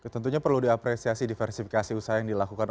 tentunya perlu diapresiasi diversifikasi usaha yang dilakukan